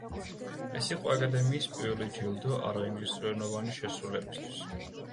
ეს იყო აკადემიის პირველი ჯილდო არაინგლისურენოვანი შესრულებისთვის.